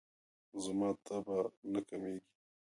زما تبه نه کمیږي.